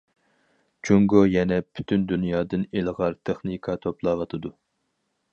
جۇڭگو يەنە پۈتۈن دۇنيادىن ئىلغار تېخنىكا توپلاۋاتىدۇ.